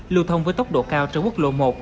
lưu thông với tốc độ cao trên quốc lộ một